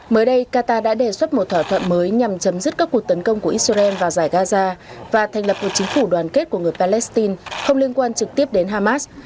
mới đây qatar đã đề xuất một thỏa thuận mới nhằm chấm dứt các cuộc tấn công của israel vào giải gaza và thành lập một chính phủ đoàn kết của người palestine không liên quan trực tiếp đến hamas